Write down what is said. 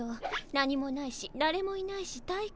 何もないしだれもいないし退屈。